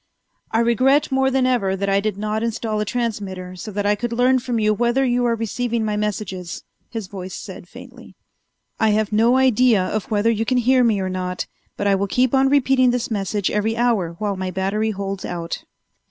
"I regret more than ever that I did not install a transmitter so that I could learn from you whether you are receiving my messages," his voice said faintly. "I have no idea of whether you can hear me or not, but I will keep on repeating this message every hour while my battery holds out.